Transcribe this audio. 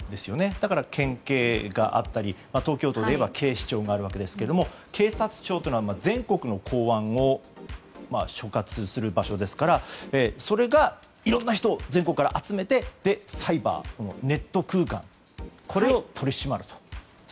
だから県警があったり東京都でいえば警視庁がありますが警察庁というのは全国の公安を所轄する場所ですからそれがいろんな人を全国から集めてサイバー、ネット空間これを取り締まると。